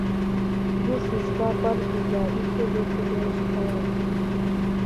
— Юж чӱчка, пар кӱза, — икте-весе пелешткалат.